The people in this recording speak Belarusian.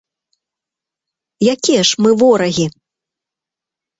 Якія ж мы ворагі?